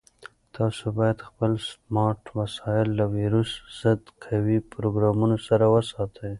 تاسو باید خپل سمارټ وسایل له ویروس ضد قوي پروګرامونو سره وساتئ.